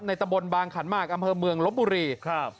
ตะบนบางขันหมากอำเภอเมืองลบบุรีครับ